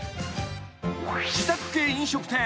［自宅系飲食店。